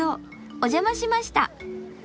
お邪魔しました。